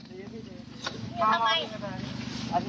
เฮ้ยปาดหน้าอ๋อออกมาก่อน